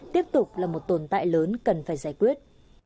tiếp tục là một tồn tại lớn cần phải giải quyết